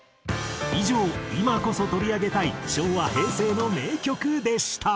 以上今こそ取り上げたい昭和・平成の名曲でした。